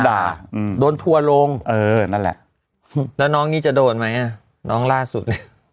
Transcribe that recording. อืมโดนทัวร์ลงเออนั่นแหละแล้วน้องนี่จะโดนไหมอ่ะน้องล่าสุด